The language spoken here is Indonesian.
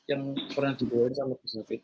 yang pernah dibawah ini sama bukhari